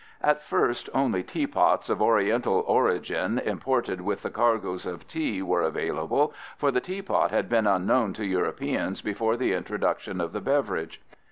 At first, only teapots of Oriental origin imported with the cargos of tea were available, for the teapot had been unknown to Europeans before the introduction of the beverage.